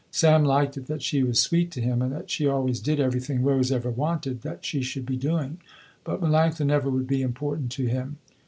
Sam liked it that she was sweet to him and that she always did everything Rose ever wanted that she should be doing. But Melanctha never would be important to him.